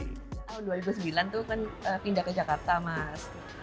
tahun dua ribu sembilan tuh kan pindah ke jakarta mas